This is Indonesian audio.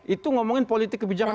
itu ngomongin politik kebijakan